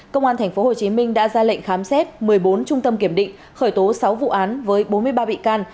công an tp hcm đã ra lệnh khám xét một mươi bốn trung tâm kiểm định khởi tố sáu vụ án với bốn mươi ba bị can